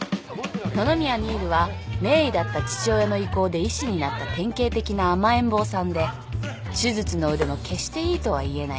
野々宮新琉は名医だった父親の威光で医師になった典型的な甘えん坊さんで手術の腕も決していいとは言えない。